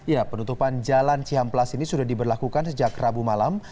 ya penutupan jalan cihamplas ini sudah diberlakukan sejak rabu malam